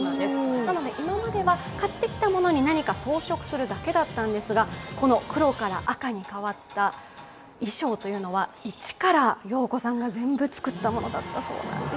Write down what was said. なので今までは買ってきた物になにか装飾するだけだったんですがこの黒から赤に変わった衣装というのは、一から陽子さんが全部作ったものだったそうです。